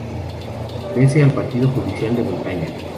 Pertenece al partido judicial de Boltaña.